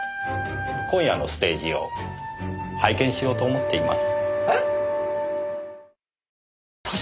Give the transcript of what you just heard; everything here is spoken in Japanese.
今夜のステージを拝見しようと思っています。